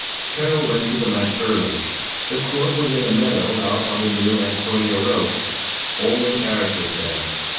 Carol went to the match early. The court was in a meadow out on the New Antonia road. Only Erik was there.